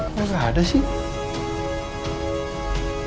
nggak ada sih